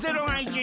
はい！